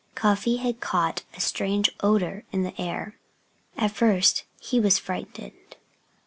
Cuffy had caught a strange odor in the air. At first he was frightened.